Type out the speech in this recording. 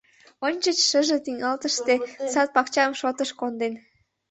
Ончыч, шыже тӱҥалтыште, сад-пакчам шотыш конден.